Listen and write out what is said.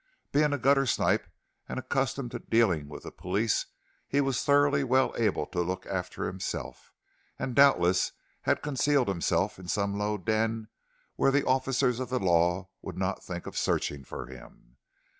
Being a guttersnipe and accustomed to dealing with the police he was thoroughly well able to look after himself, and doubtless had concealed himself in some low den where the officers of the law would not think of searching for him.